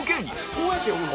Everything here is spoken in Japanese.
こうやって読むの？